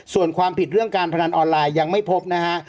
ส่วนความผิดเรื่องการพนันออนไลน์ยังไม่พบนะฮะ